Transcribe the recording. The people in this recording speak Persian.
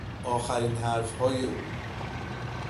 آخرین حرفهای او